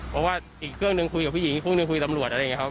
เพราะว่าอีกเครื่องหนึ่งคุยกับผู้หญิงอีกคโหลดคุยกับตำรวจ